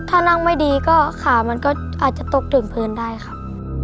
ถ้านั่งไม่ดีก็ขามันก็อาจจะตกถึงพื้นได้ครับ